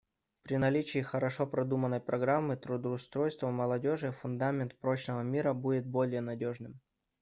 При наличии хорошо продуманной программы трудоустройства молодежи фундамент прочного мира будет более надежным.